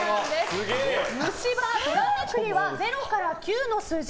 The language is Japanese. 虫歯、ドラめくりには０から９の数字